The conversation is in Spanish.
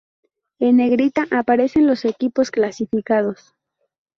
En negrita aparecen los equipos clasificados.